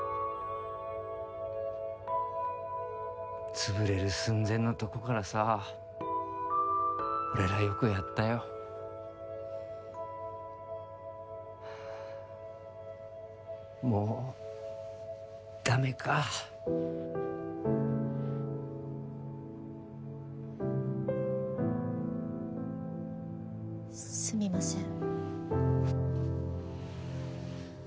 潰れる寸前のとこからさ俺らよくやったよもうダメかすみません